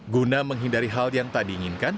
guna menghindari hal yang tak diinginkan